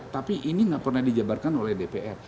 tapi ini nggak pernah dijabarkan oleh dpr